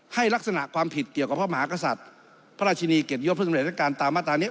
ให้ลักษณะความผิดเกี่ยวกับพระมหากษัตริย์พระราชินีเกียรติยศพระสำเร็จราชการตามมาตรานี้